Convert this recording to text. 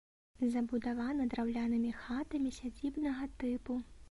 Забудавана драўлянымі хатамі сядзібнага тыпу.